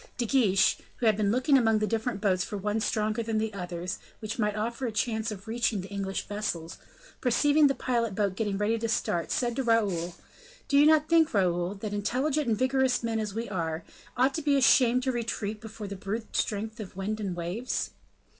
De Guiche, who had been looking among the different boats for one stronger than the others, which might offer a chance of reaching the English vessels, perceiving the pilot boat getting ready to start, said to Raoul: "Do you not think, Raoul, that intelligent and vigorous men, as we are, ought to be ashamed to retreat before the brute strength of wind and waves?"